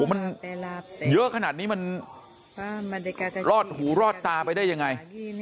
มันเยอะขนาดนี้มันรอดหูรอดตาไปได้ยังไง